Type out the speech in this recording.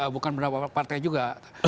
bukan pendapat partai juga